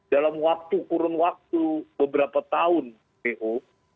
dalam waktu kurun waktu beberapa tahun po